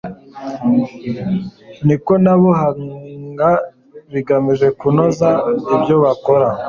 n'ikoranabuhanga bigamije kunoza ibyo bakora